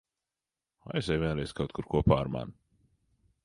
Aizej vienreiz kaut kur kopā ar mani.